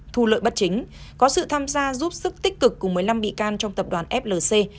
thu lợi bất chính có sự tham gia giúp sức tích cực của một mươi năm bị can trong tập đoàn flc